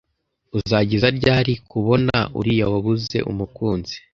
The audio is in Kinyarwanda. Uzageza ryari kubona uriya wabuze umukunzi?